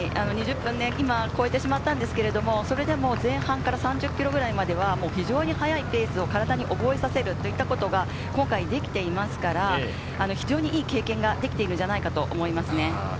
２０分を今超えてしまったんですけど、それでも前半から３０ｋｍくらいまでは非常に速いペースを体で覚えさせるといったことが今回できていますから、非常にいい経験ができたと思いますね。